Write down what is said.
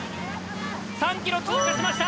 ３ｋｍ通過しました！